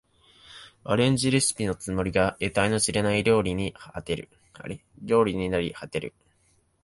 アレンジレシピのつもりが得体の知れない料理になりはてる